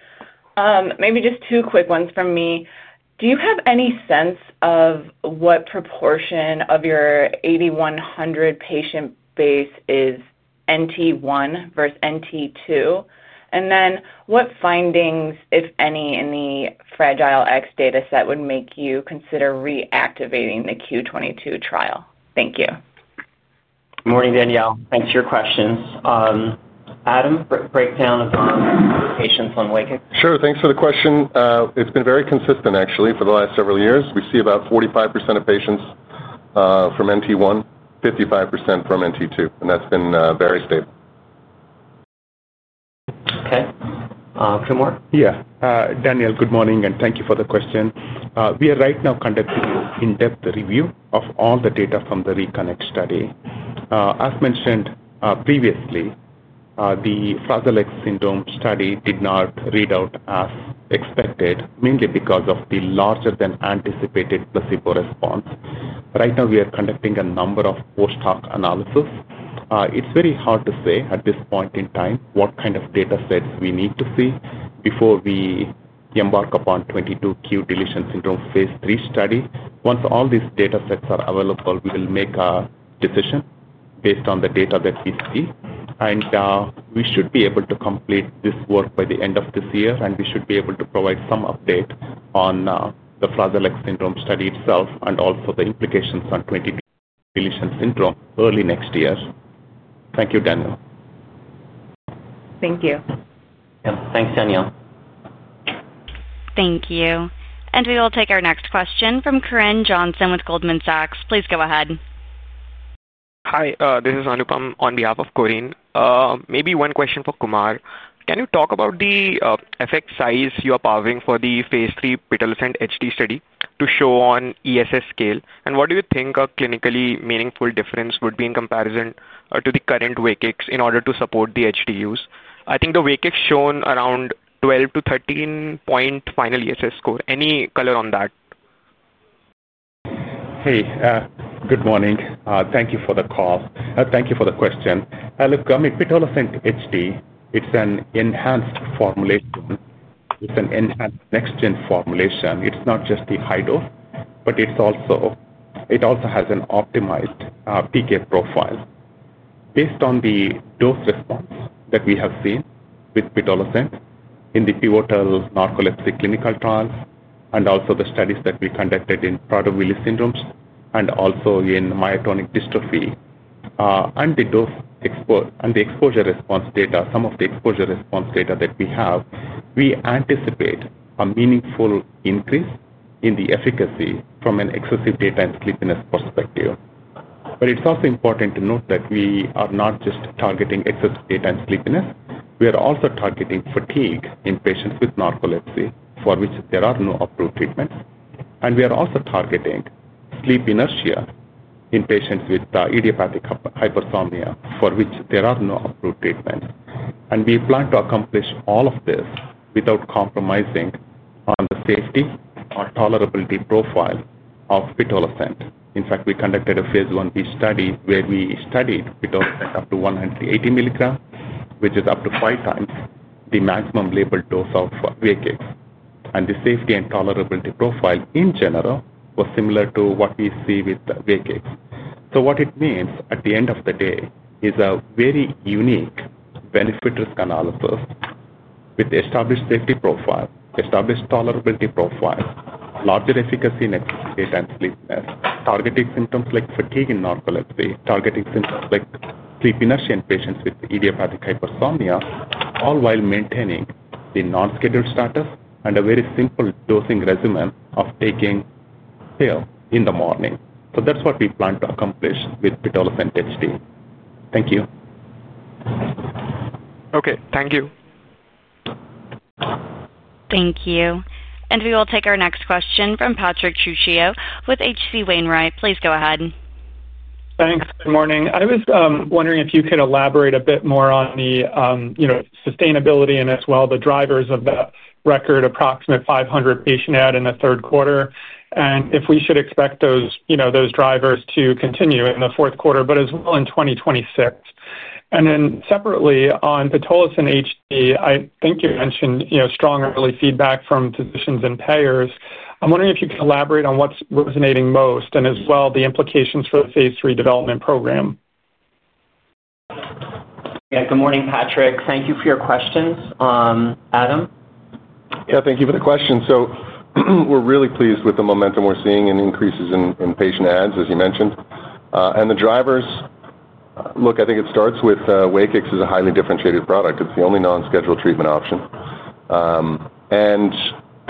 Maybe just two quick ones from me. Do you have any sense of what proportion of your 8,100 patient base is NT1 versus NT2? And then what findings, if any, in the Fragile X data set would make you consider reactivating the 22q trial? Thank you. Morning, Danielle. Thanks for your questions. Adam, breakdown of patients on WAKIX? Sure. Thanks for the question. It's been very consistent, actually, for the last several years. We see about 45% of patients. From NT1, 55% from NT2. And that's been very stable. Okay. Kumar? Yeah. Danielle, good morning. And thank you for the question. We are right now conducting an in-depth review of all the data from the Reconnect study. As mentioned previously. The Fragile X syndrome study did not read out as expected, mainly because of the larger-than-anticipated placebo response. Right now, we are conducting a number of post-hoc analyses. It's very hard to say at this point in time what kind of data sets we need to see before we embark upon 22q11.2 deletion syndrome phase III study. Once all these data sets are available, we will make a decision based on the data that we see. And we should be able to complete this work by the end of this year. And we should be able to provide some update on the Fragile X syndrome study itself and also the implications on 22q11.2 deletion syndrome early next year. Thank you, Danielle. Thank you. Thanks, Danielle. Thank you. And we will take our next question from Trenton Johnson from Goldman Sachs. Please go ahead. Hi, this is Anupam on behalf of Corinne. Maybe one question for Kumar. Can you talk about the effect size you are powering for the phase III pitolisant HD study to show on ESS scale? And what do you think a clinically meaningful difference would be in comparison to the current WAKIX in order to support the HD use? I think the WAKIX shown around 12 point-13 point final ESS score. Any color on that? Hey, good morning. Thank you for the call. Thank you for the question. Look, I mean, pitolisant HD, it's an enhanced formulation. It's an enhanced next-gen formulation. It's not just the high dose, but it also has an optimized PK profile. Based on the dose response that we have seen with pitolisant in the pivotal narcolepsy clinical trials and also the studies that we conducted in Prader-Willi syndrome and also in myotonic dystrophy, and the exposure response data, some of the exposure response data that we have, we anticipate a meaningful increase in the efficacy from an excessive daytime sleepiness perspective, but it's also important to note that we are not just targeting excessive daytime sleepiness. We are also targeting fatigue in patients with narcolepsy for which there are no approved treatments, and we are also targeting sleep inertia in patients with idiopathic hypersomnia for which there are no approved treatments, and we plan to accomplish all of this without compromising on the safety or tolerability profile of pitolisant. In fact, we conducted a phase I-B study where we studied pitolisant up to 180 mg, which is up to five times the maximum labeled dose of WAKIX, and the safety and tolerability profile in general was similar to what we see with WAKIX. So what it means at the end of the day is a very unique benefit risk analysis with established safety profile, established tolerability profile, larger efficacy in daytime sleepiness, targeting symptoms like fatigue in narcolepsy, targeting symptoms like sleep inertia in patients with idiopathic hypersomnia, all while maintaining the non-scheduled status and a very simple dosing regimen of taking a pill in the morning. So that's what we plan to accomplish with pitolisant HD. Thank you. Okay. Thank you. Thank you. And we will take our next question from Patrick Trucchio with H.C. Wainwright. Please go ahead. Thanks. Good morning. I was wondering if you could elaborate a bit more on the sustainability and as well the drivers of that record, approximately 500 patient add in the third quarter, and if we should expect those drivers to continue in the fourth quarter, but as well in 2026. And then separately on pitolisant HD, I think you mentioned strong early feedback from physicians and payers. I'm wondering if you could elaborate on what's resonating most and as well the implications for the phase III development program. Yeah. Good morning, Patrick. Thank you for your questions. Adam? Yeah. Thank you for the question. So we're really pleased with the momentum we're seeing in increases in patient adds, as you mentioned. And the drivers. Look, I think it starts with WAKIX is a highly differentiated product. It's the only non-scheduled treatment option. And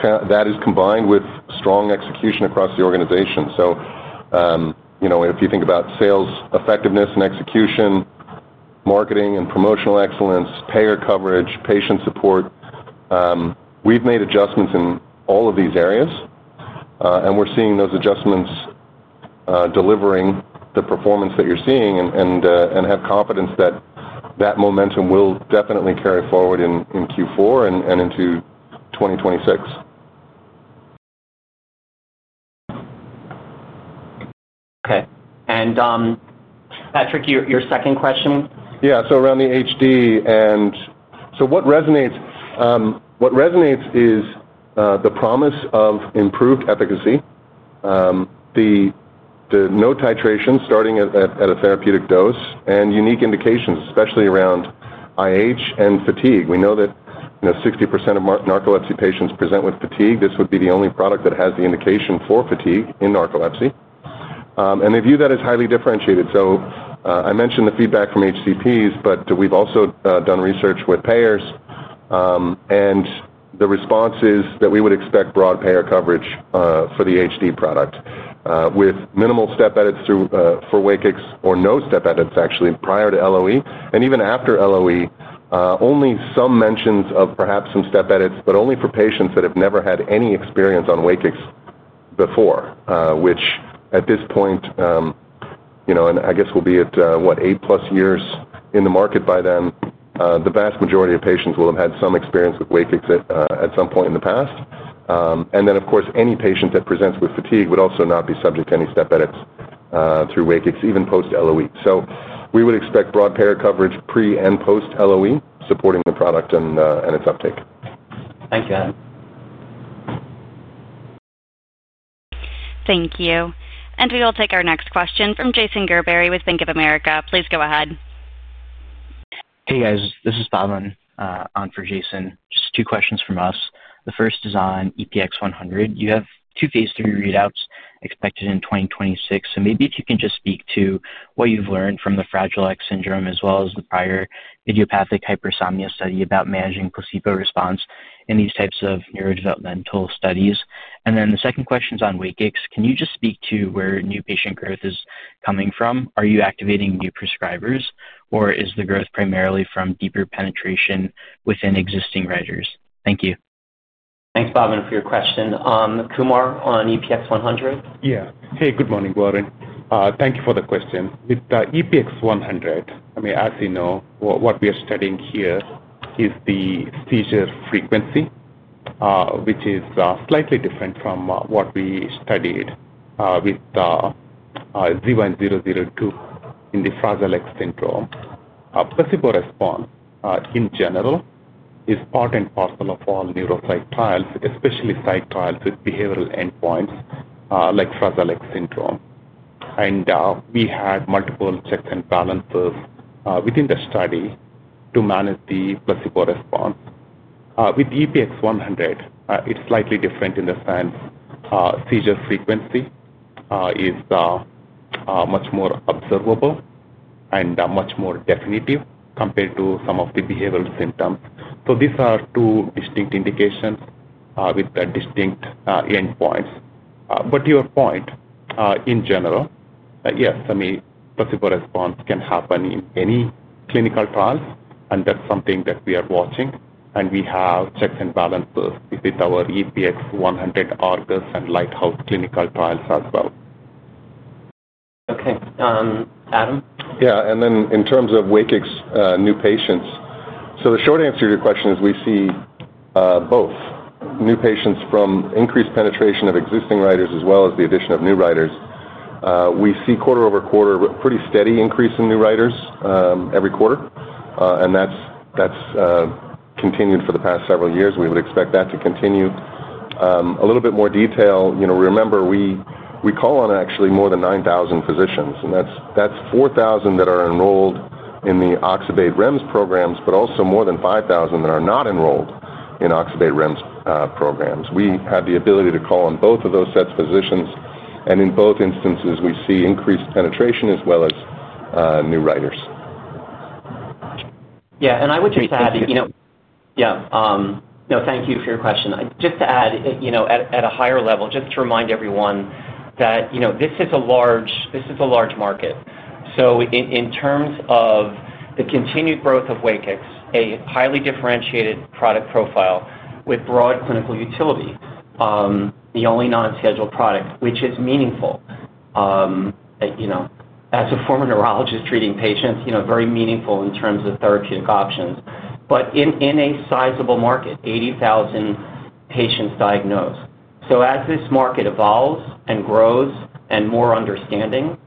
that is combined with strong execution across the organization. So if you think about sales effectiveness and execution, marketing and promotional excellence, payer coverage, patient support. We've made adjustments in all of these areas. And we're seeing those adjustments delivering the performance that you're seeing and have confidence that that momentum will definitely carry forward in Q4 and into 2026. Okay. And, Patrick, your second question? Yeah. So around the HD and so what resonates is the promise of improved efficacy. The no titration starting at a therapeutic dose, and unique indications, especially around IH and fatigue. We know that 60% of narcolepsy patients present with fatigue. This would be the only product that has the indication for fatigue in narcolepsy. And they view that as highly differentiated. So I mentioned the feedback from HCPs, but we've also done research with payers. And the response is that we would expect broad payer coverage for the HD product with minimal step edits for WAKIX or no step edits, actually, prior to LOE and even after LOE. Only some mentions of perhaps some step edits, but only for patients that have never had any experience on WAKIX before, which at this point I guess will be at, what, 8+ years in the market by then. The vast majority of patients will have had some experience with WAKIX at some point in the past. And then, of course, any patient that presents with fatigue would also not be subject to any step edits through WAKIX, even post-LOE. So we would expect broad payer coverage pre and post-LOE, supporting the product and its uptake. Thank you, Adam. Thank you. And we will take our next question from Jason Gerberry with Bank of America. Please go ahead. Hey, guys. This is Pavan on for Jason. Just two questions from us. The first is on EPX-100. You have two phase III readouts expected in 2026. So maybe if you can just speak to what you've learned from the Fragile X syndrome as well as the prior idiopathic hypersomnia study about managing placebo response in these types of neurodevelopmental studies. And then the second question is on WAKIX. Can you just speak to where new patient growth is coming from? Are you activating new prescribers, or is the growth primarily from deeper penetration within existing writers? Thank you. Thanks, Pavan, for your question. Kumar on EPX-100? Yeah. Hey, good morning, Pavan. Thank you for the question. With EPX-100, I mean, as you know, what we are studying here is the seizure frequency. Which is slightly different from what we studied with ZYN002 in the Fragile X syndrome. Placebo response, in general, is part and parcel of all neuropsych trials, especially psych trials with behavioral endpoints like Fragile X syndrome. And we had multiple checks and balances within the study to manage the placebo response. With EPX-100, it's slightly different in the sense seizure frequency is much more observable and much more definitive compared to some of the behavioral symptoms. So these are two distinct indications with distinct endpoints. But to your point. In general, yes, I mean, placebo response can happen in any clinical trials. And that's something that we are watching. And we have checks and balances with our EPX-100 ARGUS and LIGHTHOUSE clinical trials as well. Okay. Adam? Yeah. And then in terms of WAKIX new patients, so the short answer to your question is we see both new patients from increased penetration of existing writers as well as the addition of new writers. We see quarter over quarter a pretty steady increase in new writers every quarter. And that's continued for the past several years. We would expect that to continue. A little bit more detail, remember, we call on actually more than 9,000 physicians. And that's 4,000 that are enrolled in the Oxybate REMS programs, but also more than 5,000 that are not enrolled in Oxybate REMS programs. We had the ability to call on both of those sets of physicians. And in both instances, we see increased penetration as well as new writers. Yeah, and I would just add that. Thank you. Yeah. No, thank you for your question. Just to add at a higher level, just to remind everyone that this is a large market. So in terms of the continued growth of WAKIX, a highly differentiated product profile with broad clinical utility. The only non-scheduled product, which is meaningful. As a former neurologist treating patients, very meaningful in terms of therapeutic options, but in a sizable market, 80,000 patients diagnosed. So as this market evolves and grows and more understanding.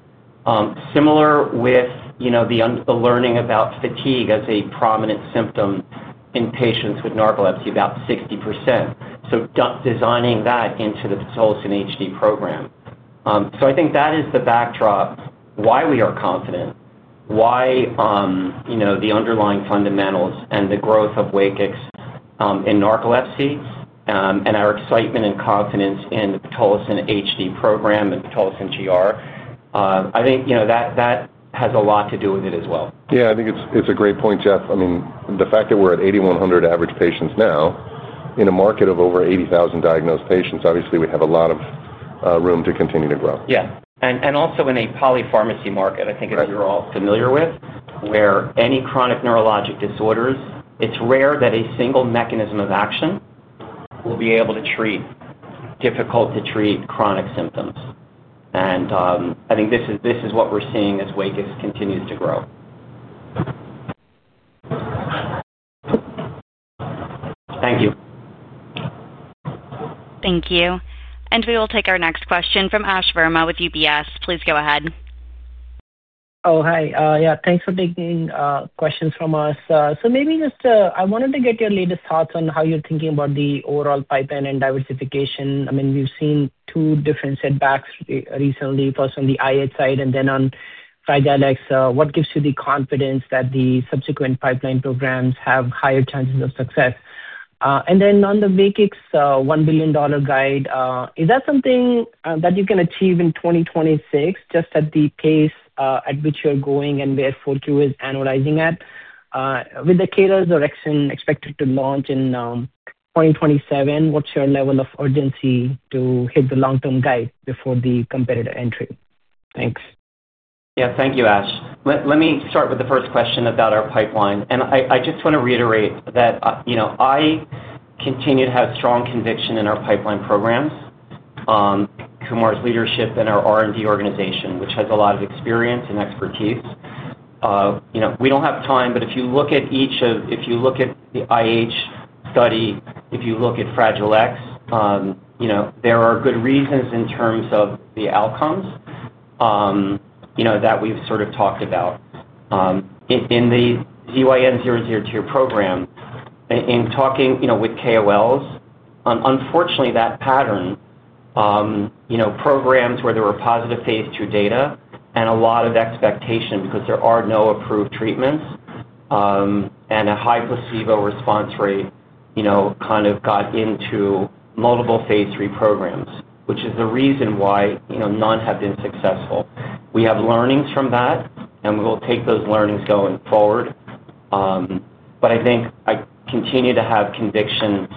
Similar with the learning about fatigue as a prominent symptom in patients with narcolepsy, about 60%. So designing that into the pitolisant HD program. So I think that is the backdrop, why we are confident, why. The underlying fundamentals and the growth of WAKIX in narcolepsy, and our excitement and confidence in the pitolisant HD program and pitolisant GR. I think that has a lot to do with it as well. Yeah. I think it's a great point, Jeff. I mean, the fact that we're at 8,100 average patients now in a market of over 80,000 diagnosed patients, obviously, we have a lot of room to continue to grow. Yeah. And also in a polypharmacy market, I think, as you're all familiar with, where any chronic neurologic disorders, it's rare that a single mechanism of action will be able to treat difficult-to-treat chronic symptoms. And I think this is what we're seeing as WAKIX continues to grow. Thank you. Thank you, and we will take our next question from Ash Verma with UBS. Please go ahead. Oh, hi. Yeah. Thanks for taking questions from us. So maybe just I wanted to get your latest thoughts on how you're thinking about the overall pipeline and diversification. I mean, we've seen two different setbacks recently, first on the IH side and then on Fragile X. What gives you the confidence that the subsequent pipeline programs have higher chances of success? And then on the WAKIX $1 billion guide, is that something that you can achieve in 2026, just at the pace at which you're going and where the funnel is at? With the CARES or Axsome expected to launch in 2027, what's your level of urgency to hit the long-term guide before the competitor entry? Thanks. Yeah. Thank you, Ash. Let me start with the first question about our pipeline. And I just want to reiterate that. I continue to have strong conviction in our pipeline programs. Kumar's leadership and our R&D organization, which has a lot of experience and expertise. We don't have time, but if you look at the IH study, if you look at Fragile X. There are good reasons in terms of the outcomes. That we've sort of talked about. In the ZYN002 program. In talking with KOLs, unfortunately, that pattern. Programs where there were positive phase II data and a lot of expectation because there are no approved treatments. And a high placebo response rate kind of got into multiple phase III programs, which is the reason why none have been successful. We have learnings from that, and we will take those learnings going forward. But I think I continue to have conviction.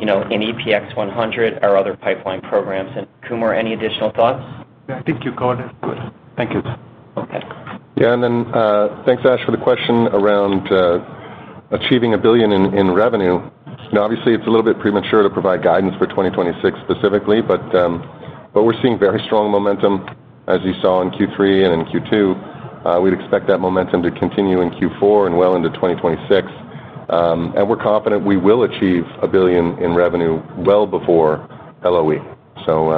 In EPX-100, our other pipeline programs. And Kumar, any additional thoughts? Yeah. I think you covered it. Thank you. Okay. Yeah. And then, thanks, Ash, for the question around achieving $1 billion in revenue. Obviously, it's a little bit premature to provide guidance for 2026 specifically, but we're seeing very strong momentum, as you saw in Q3 and in Q2. We'd expect that momentum to continue in Q4 and well into 2026. And we're confident we will achieve $1 billion in revenue well before LOE. So,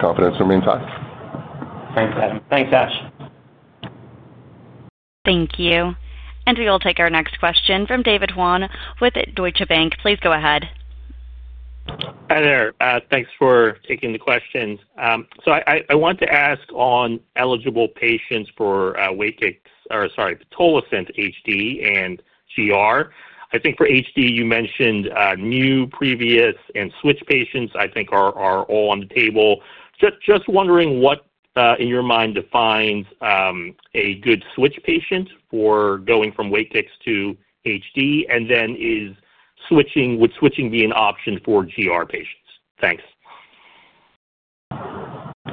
confidence remains high. Thanks, Adam. Thanks, Ash. Thank you. And we will take our next question from David Hoang with Deutsche Bank. Please go ahead. Hi there. Thanks for taking the question. So I want to ask on eligible patients for WAKIX or sorry, pitolisant HD and GR. I think for HD, you mentioned new, previous, and switch patients, I think, are all on the table. Just wondering what, in your mind, defines a good switch patient for going from WAKIX to HD, and then would switching be an option for GR patients? Thanks.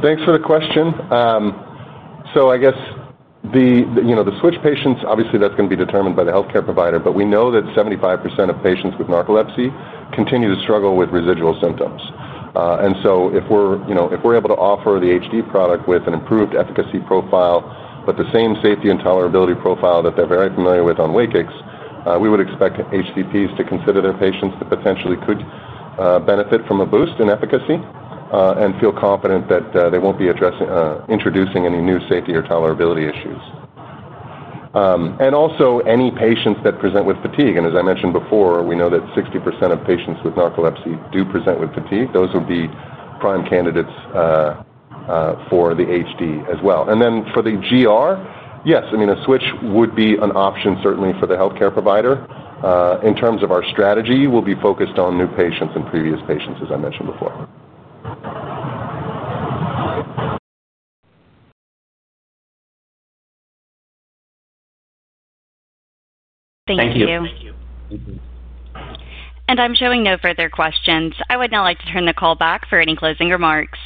Thanks for the question. So I guess the switch patients, obviously, that's going to be determined by the healthcare provider, but we know that 75% of patients with narcolepsy continue to struggle with residual symptoms. And so if we're able to offer the HD product with an improved efficacy profile, but the same safety and tolerability profile that they're very familiar with on WAKIX, we would expect HCPs to consider their patients that potentially could benefit from a boost in efficacy and feel confident that they won't be introducing any new safety or tolerability issues. And also, any patients that present with fatigue, and as I mentioned before, we know that 60% of patients with narcolepsy do present with fatigue. Those would be prime candidates for the HD as well. And then for the GR, yes, I mean, a switch would be an option, certainly, for the healthcare provider. In terms of our strategy, we'll be focused on new patients and previous patients, as I mentioned before. Thank you. Thank you. I'm showing no further questions. I would now like to turn the call back for any closing remarks.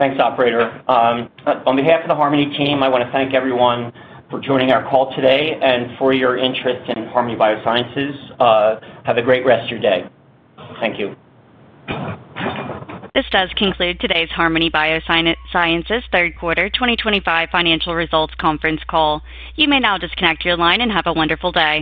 Thanks, operator. On behalf of the Harmony team, I want to thank everyone for joining our call today and for your interest in Harmony Biosciences. Have a great rest of your day. Thank you. This does conclude today's Harmony Biosciences Third Quarter 2025 Financial Results Conference call. You may now disconnect your line and have a wonderful day.